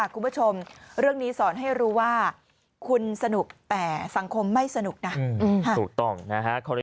คุณผู้ชมเรื่องนี้สอนให้รู้ว่าคุณสนุกแต่สังคมไม่สนุกนะถูกต้องนะฮะ